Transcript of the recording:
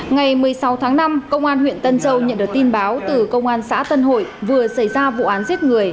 ngày một mươi sáu tháng năm công an huyện tân châu nhận được tin báo từ công an xã tân hội vừa xảy ra vụ án giết người